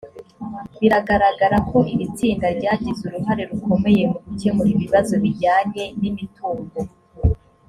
biragaragara ko iri tsinda ryagize uruhare rukomeye mu gukemura ibibazo bijyanye n imitungo